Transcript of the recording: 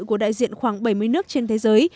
của đại diện khoảng bảy mươi nước trên thế giới